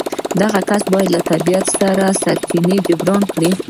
دغه کسر باید له طبیعي سرچینو جبران کړي